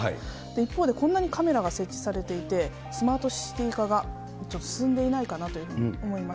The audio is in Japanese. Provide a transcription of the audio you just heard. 一方でこんなにカメラが設置されていまして、スマートシティー化がちょっと進んでいないかなと思います。